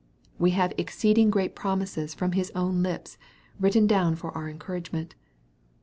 We have exceeding great promises from His own lips, written down for our encouragement.